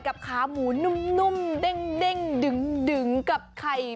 กับขาหมูนุ่มกับไข่